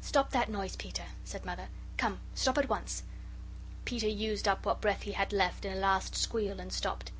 "Stop that noise, Peter," said Mother. "Come. Stop at once." Peter used up what breath he had left in a last squeal and stopped.